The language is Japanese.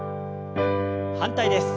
反対です。